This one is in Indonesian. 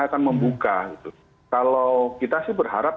akan membuka gitu kalau kita sih berharap